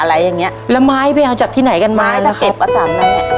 ทับผลไม้เยอะเห็นยายบ่นบอกว่าเป็นยังไงครับ